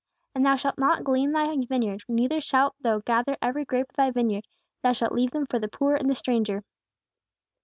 And thou shalt not glean thy vineyard, neither shalt thou gather every grape of thy vineyard, thou shalt leave them for the poor and the stranger."